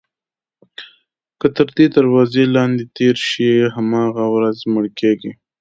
که تر دې دروازې لاندې تېر شي هماغه ورځ مړ کېږي.